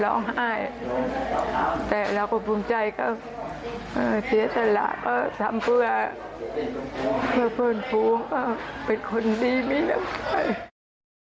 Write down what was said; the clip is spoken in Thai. ร้องไห้แต่เราก็ภูมิใจก็เสียสละก็ทำเพื่อเพื่อเพื่อนฝูงก็เป็นคนดีมีน้ำใจ